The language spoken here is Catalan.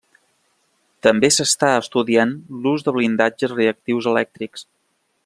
També s'està estudiant l'ús de blindatges reactius elèctrics.